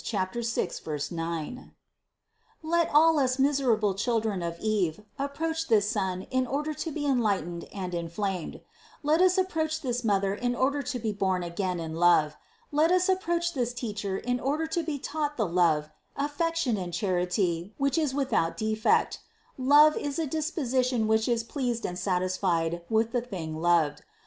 6, 9) ! Let all us miserable children of Eve approach this sun in order to be enlightened and inflamed. Let us ap proach this Mother in order to be born again in love. Let us approach this Teacher in order to be taught the love, affection and charity which is without defect. Love is a disposition which is pleased and satisfied with the thing loved.